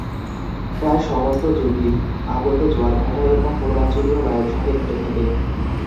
প্রায় সমস্ত জুবিলীই আগত জোয়ারভাটা এবং পূর্বাঞ্চলীয় বায়ুর সঙ্গে ঘটে থাকে।